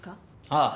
ああ。